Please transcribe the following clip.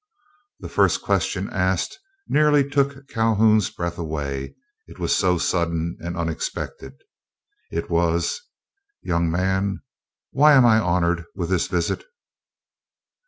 The first question asked nearly took Calhoun's breath away, it was so sudden and unexpected. It was, "Young man, why am I honored with this visit?"